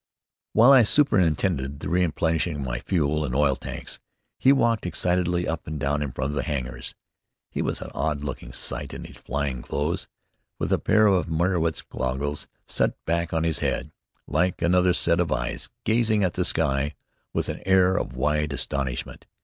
While I superintended the replenishing of my fuel and oil tanks he walked excitedly up and down in front of the hangars. He was an odd looking sight in his flying clothes, with a pair of Meyrowitz goggles set back on his head, like another set of eyes, gazing at the sky with an air of wide astonishment.